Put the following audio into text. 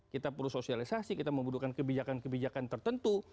kita perlu sosialisasi kita membutuhkan kebijakan kebijakan tertentu